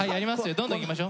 どんどんいきましょう。